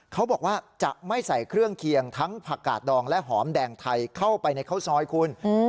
เขาบอกว่าจะไม่ใส่เครื่องเคียงทั้งผักกาดดองและหอมแดงไทยเข้าไปในข้าวซอยคุณ